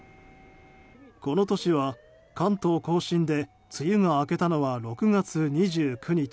この年は、関東・甲信で梅雨が明けたのは６月２９日。